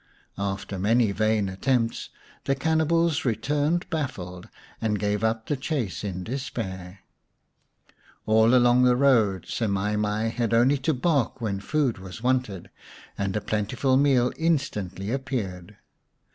After many vain attempts tjie cannibals retired xv The Story of Semai mai baffled, and gave up the chase in despair. All along the road Semai mai had only to bark when food was wanted, and a plentiful meal instantly appeared.